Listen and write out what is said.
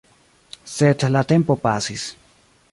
Sed la tempo pasis.